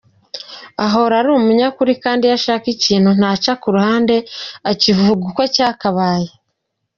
Ahora ari umunyakuri kandi iyo ashaka ikintu ntaca ku ruhande akivuga uko cyakabaye.